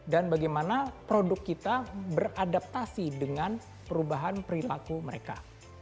dan bagaimana produk kita beradaptasi dengan perubahan perilaku mereka